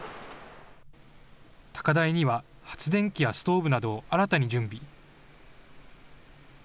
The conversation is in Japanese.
高台には発電機やストーブなどを新たに準備。